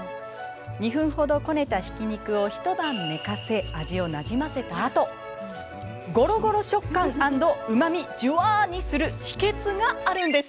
２分ほどこねたひき肉を一晩寝かせ味をなじませたあとゴロゴロ食感＆うまみジュワッにする秘けつがあるんです。